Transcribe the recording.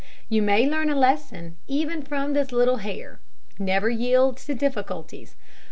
You may learn a lesson even from this little hare, never to yield to difficulties.